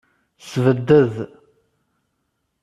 Sebded.